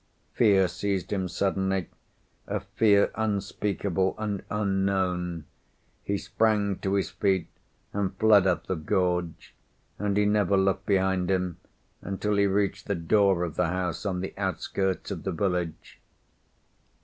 Fear seized him suddenly, a fear unspeakable and unknown; he sprang to his feet and fled up the gorge, and he never looked behind him until he reached the door of the house on the outskirts of the village.